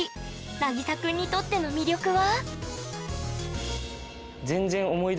なぎさくんにとっての魅力は？